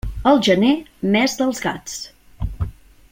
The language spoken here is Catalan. El gener, mes dels gats.